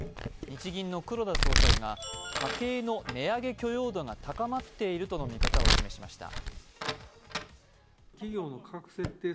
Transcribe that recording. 日銀の黒田総裁が家計の値上げ許容度が高まっているとの見方を示しました。